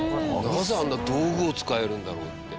なぜ、あんな道具を使えるんだろうって。